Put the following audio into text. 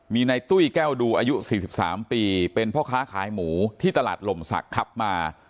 มีในตุ้ยแก้วดูอายุสี่สิบสามปีเป็นพ่อค้าขายหมูที่ตลาดหล่มสักขับมา